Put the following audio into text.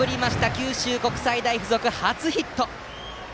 九州国際大付属の初ヒット！